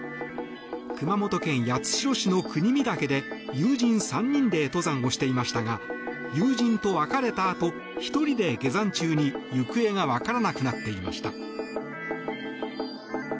熊本県八代市の国見岳で友人３人で登山をしていましたが友人と別れたあと１人で下山中に行方が分からなくなっていました。